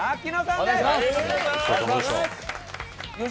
お願いします。